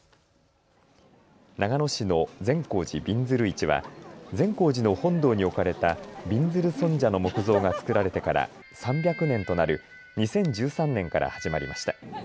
長野市の善光寺びんずる市は善光寺の本堂に置かれたびんずる尊者の木像が作られてから３００年となる２０１３年から始まりました。